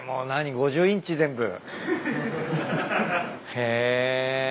５０インチ？全部。へ。